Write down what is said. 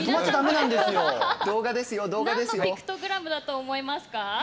なんのピクトグラムだと思いますか。